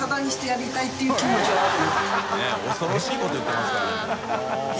佑恐ろしいこと言ってますからね。